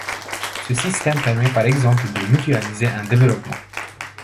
Ce système permet par exemple de mutualiser un développement.